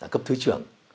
cấp thủy trưởng